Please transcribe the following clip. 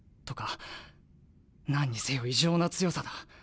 何にせよ異常な強さだ。